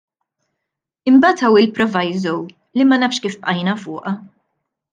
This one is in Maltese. Imbagħad hawn il-proviso li ma nafx kif bqajna fuqha.